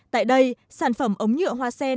tại đây sản phẩm ống nhựa hoa sen